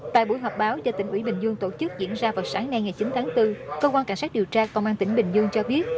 tại buổi họp báo do tỉnh ủy bình dương tổ chức diễn ra vào sáng nay ngày chín tháng bốn cơ quan cảnh sát điều tra công an tỉnh bình dương cho biết